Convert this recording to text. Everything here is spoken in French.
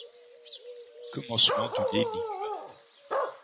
Commencement d’une énigme